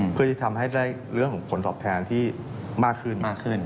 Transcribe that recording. เพื่อจะทำให้ได้เรื่องของผลตอบแทนที่มากขึ้นมากขึ้น